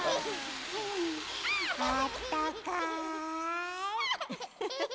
あったかい。